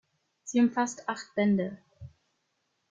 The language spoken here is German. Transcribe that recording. Sie umfasst acht Bände.